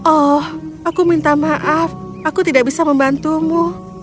oh aku minta maaf aku tidak bisa membantumu